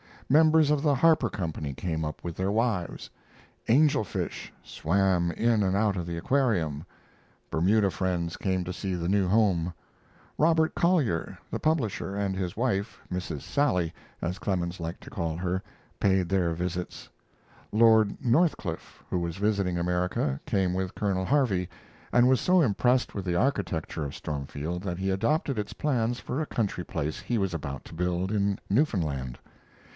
Members of the Harper Company came up with their wives; "angel fish" swam in and out of the aquarium; Bermuda friends came to see the new home; Robert Collier, the publisher, and his wife "Mrs. Sally," as Clemens liked to call her paid their visits; Lord Northcliffe, who was visiting America, came with Colonel Harvey, and was so impressed with the architecture of Stormfield that he adopted its plans for a country place he was about to build in Newfoundland.